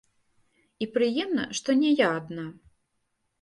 І прыемна, што не я адна.